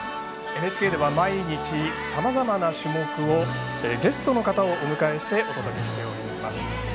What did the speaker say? ＮＨＫでは毎日さまざまな種目をゲストの方をお迎えしてお伝えしております。